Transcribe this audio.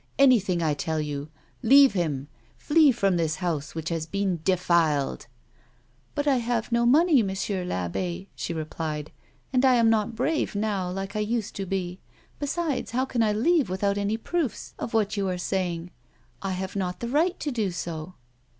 " Anything, I tell you. Leave him. Flee from this house which has been defiled." "But I have no money. Monsieur I'abbe," she replied. "And I am not brave now like I used to be. Besides, how can I leave without any proofs of what you are saying 1 I have not the right to do so."